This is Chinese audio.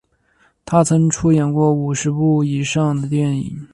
他曾出演过五十部以上的电影。